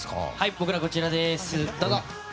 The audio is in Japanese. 僕のはこちらです。